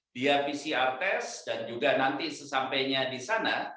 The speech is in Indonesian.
dia pcr test dan juga nanti sesampainya di sana